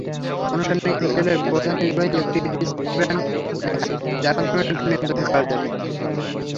অনুষ্ঠানে ইনটেলের প্রধান নির্বাহী একটি রিস্টব্যান্ড দেখান যার মাধ্যমে ড্রোন নিয়ন্ত্রণ করা যাবে।